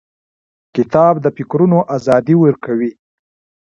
کتاب د فکرونو ازادي ورکوي.